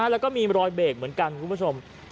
แล้วก็มีรอยเบรกเหมือนกันคุณผู้ชม